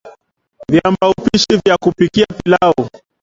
Viambaupishi vya kupikia pilau